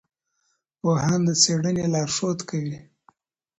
پوهان د څېړنې لارښود کوي.